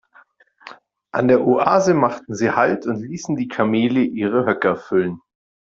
An der Oase machten sie Halt und ließen die Kamele ihre Höcker füllen.